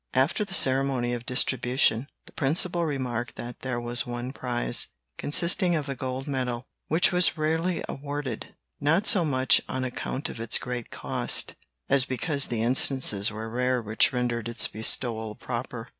After the ceremony of distribution, the principal remarked that there was one prize, consisting of a gold medal, which was rarely awarded, not so much on account of its great cost, as because the instances were rare which rendered its bestowal proper.